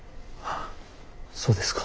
そうですか。